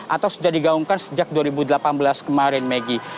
atau sudah digaungkan sejak dua ribu delapan belas kemarin maggie